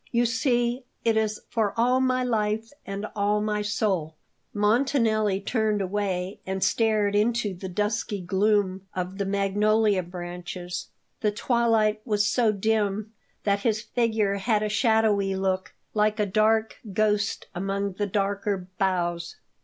You see, it is for all my life and all my soul." Montanelli turned away and stared into the dusky gloom of the magnolia branches. The twilight was so dim that his figure had a shadowy look, like a dark ghost among the darker boughs.